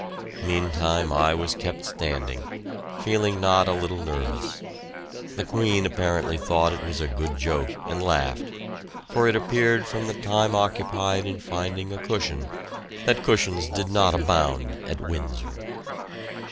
Meantime I was kept standing, feeling not a little nervous; the Queen apparently thought it was a good joke, and laughed, for it appeared from the time occupied in finding a cushion that cushions did not abound at Windsor.